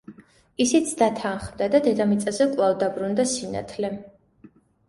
ისიც დათანხმდა და დედამიწაზე კვლავ დაბრუნდა სინათლე.